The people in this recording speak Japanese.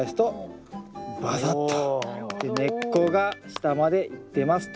根っこが下まで行ってますと。